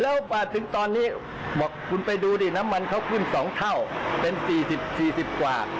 แล้วมาถึงตอนนี้บอกคุณไปดูดิน้ำมันเขาขึ้น๒เท่าเป็น๔๐๔๐กว่า